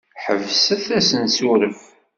Ḥebset assensuref.